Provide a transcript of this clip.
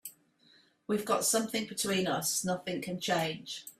We've got something between us nothing can change.